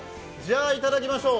いただきましょう。